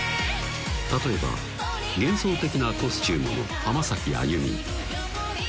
例えば幻想的なコスチュームの浜崎あゆみ